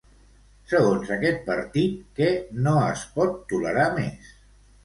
Segons aquest partit, què no es pot tolerar més?